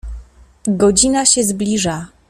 "Godzina się zbliża."